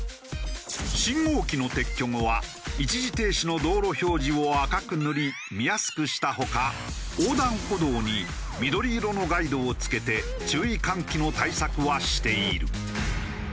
信号機の撤去後は一時停止の道路標示を赤く塗り見やすくした他横断歩道に緑色のガイドをつけて注意喚起の対策はしている。